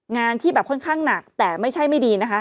งานที่แบบค่อนข้างหนักแต่ไม่ใช่ไม่ดีนะคะ